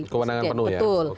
kewenangan penuh ya